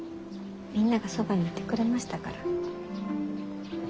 みんながそばにいてくれましたから。